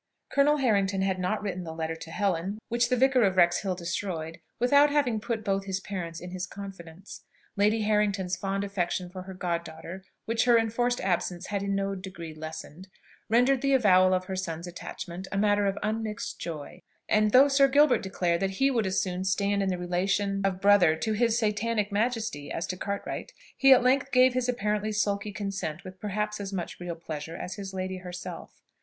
Colonel Harrington had not written the letter to Helen, which the Vicar of Wrexhill destroyed, without having put both his parents in his confidence. Lady Harrington's fond affection for her god daughter, which her enforced absence had in no degree lessened, rendered the avowal of her son's attachment a matter of unmixed joy; and though Sir Gilbert declared that he would as soon stand in the relation of brother to his Satanic Majesty as to Cartwright, he at length gave his apparently sulky consent with perhaps as much real pleasure as his lady herself.